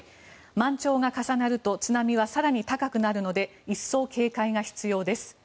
満潮が重なると津波は更に高くなるので一層警戒が必要です。